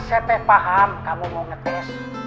saya teh paham kamu mau ngetes